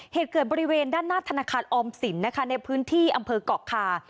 เหตุเกิดบริเวณด้านหน้าธนาคารออมสินนะคะในพื้นที่อำเภอกเกาะคา